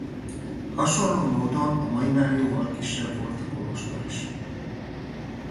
Hasonló módon a mainál jóval kisebb volt a kolostor is.